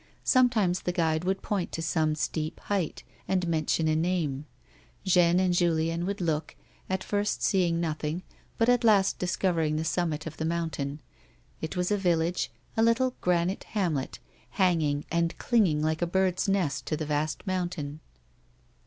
Sometimes the guide would point to some steep height, and mention a name ; Jeanne and Julieu would look, at first seeing nothing, but at last discovering something grey looking like a heap of stones fallen from the summit of the mountain. It was a village, a little granite hamlet, hanging and clinging like a bird's nest to the vast mountain.